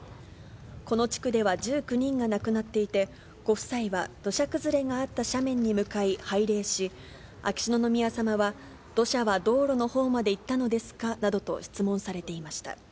この地区では１９人が亡くなっていて、ご夫妻は土砂崩れがあった斜面に向かい拝礼し、秋篠宮さまは土砂は道路のほうまでいったのですかなどと質問されていました。